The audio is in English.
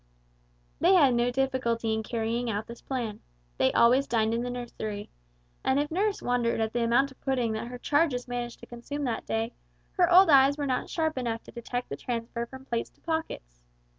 They had no difficulty in carrying out this plan. They always dined in the nursery, and if nurse wondered at the amount of pudding that her charges managed to consume that day, her old eyes were not sharp enough to detect the transfer from plates to pockets.